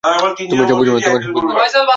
তুমি এসব বুঝবে না।